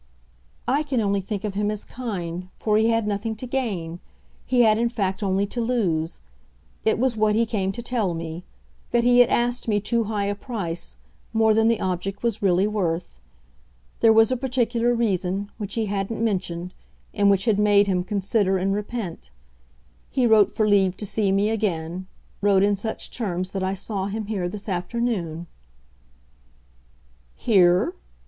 "I can only think of him as kind, for he had nothing to gain. He had in fact only to lose. It was what he came to tell me that he had asked me too high a price, more than the object was really worth. There was a particular reason, which he hadn't mentioned, and which had made him consider and repent. He wrote for leave to see me again wrote in such terms that I saw him here this afternoon." "Here?"